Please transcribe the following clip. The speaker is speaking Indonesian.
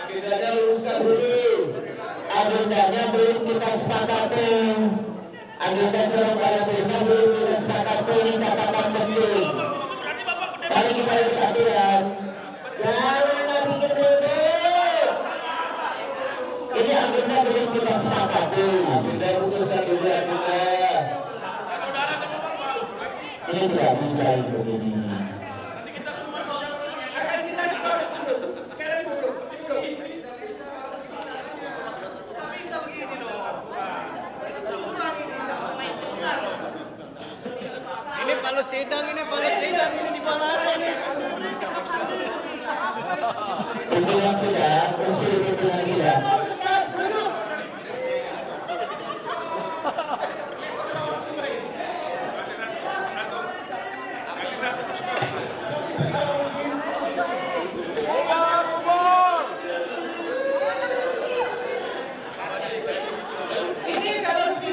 ini kalau sedang ini kalau sedang ini di bawah